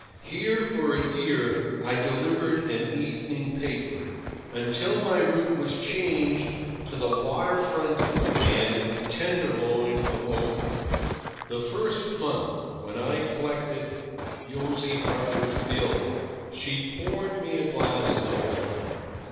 Here for a year I delivered an evening paper, until my route was changed to the water front and tenderloin of Oakland. The first month, when I collected Josie Harper's bill, she poured me a glass of wine.